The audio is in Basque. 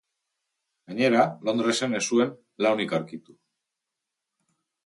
Gainera Londresen ez zuen lanik aurkitu.